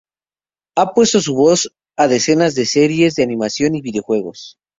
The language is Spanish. Ha puesto su voz a decenas de series de animación y videojuegos.